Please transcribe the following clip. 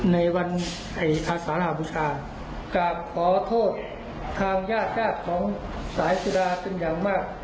ในวันไอ้อาสารหาบุษฎาการขอโทษทางญาติศาสตร์ของสายสุดาเป็นอย่างมาก